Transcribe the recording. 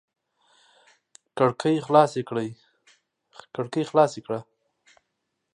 کړکۍ خلاصې کړه!